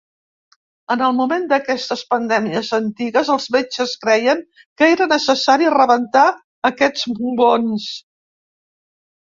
En el moment d'aquestes pandèmies antigues, els metges creien que era necessari rebentar aquests bubons.